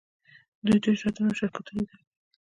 دوی تجارتونه او شرکتونه اداره کوي.